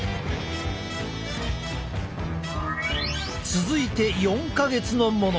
続いて４か月のもの。